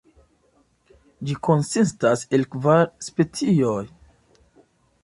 Ĝi konsistas el kvar specioj.